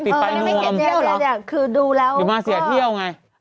ติดไปนวมอยู่มาเสียเที่ยวไงคือดูแล้วก็